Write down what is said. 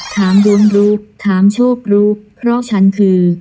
ถามดวงรู้ถามโชครู้เพราะฉันคือ